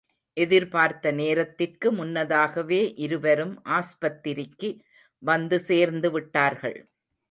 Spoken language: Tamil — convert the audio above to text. எதிர்பார்த்த நேரத்திற்கு முன்னதாகவே, இருவரும் ஆஸ்பத்திரிக்கு வந்து சேர்ந்துவிட்டார்கள்.